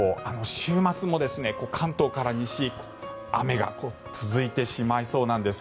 週末も関東から西雨が続いてしまいそうなんです。